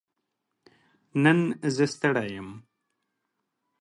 نن زه ستړې يم